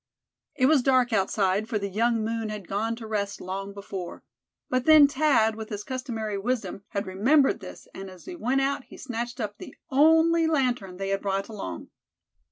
It was dark outside, for the young moon had gone to rest long before. But then Thad, with his customary wisdom, had remembered this, and as he went out he snatched up the only lantern they had brought along.